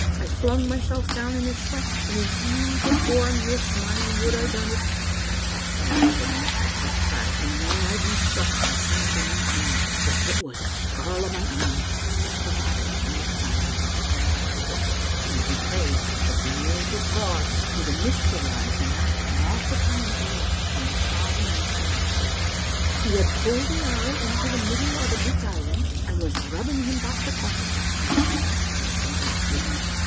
I flung mysel* down in a sweat, and if een could bore mist mine would hae done it. I thocht I heard the minister's death cry, and may I be struck if I dinna be lieve now that it was a skirl o' my ain. After that Digitized by VjOOQ IC •Rain— Aiat— ttbe Snv^e. 857 there was no sound but the jaw o' the water; and I prayed, but no to God, to the mist to rise, and after an awful time it rose, and I saw the minister was safe ; he had pulled the earl into the middle o* the bit island and was rubbing him back to consciousness. I sweat when I think o't yet."